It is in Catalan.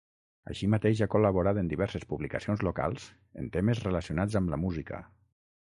Així mateix ha col·laborat en diverses publicacions locals en temes relacionats amb la música.